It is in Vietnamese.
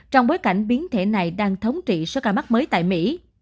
trong bối cảnh biến thể này đang thống trị số ca mắc mới tại mỹ